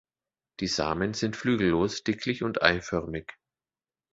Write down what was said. Die Samen sind flügellos, dicklich und eiförmig.